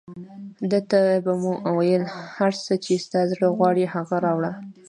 ده ته به مو ویل، هر څه چې ستا زړه غواړي هغه راوړه.